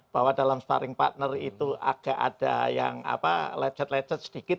bahwa dalam starling partner itu agak ada yang lecet lecet sedikit